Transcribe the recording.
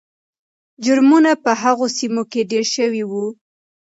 جرمونه په هغو سیمو کې ډېر شوي وو.